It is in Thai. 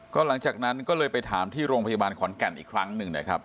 ก็หลังจากนั้นก็เลยไปถามที่โรงพยาบาลขอนแก่นอีกครั้งหนึ่งนะครับ